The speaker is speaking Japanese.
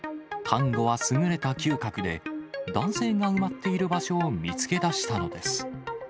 タンゴは優れた嗅覚で、男性が埋まっている場所を見つけ出したのです。